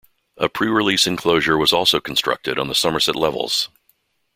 A pre-release enclosure was also constructed on the Somerset Levels.